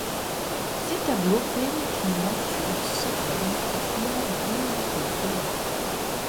Ses tableaux peignent une nature sereine aux couleurs vives et gaies.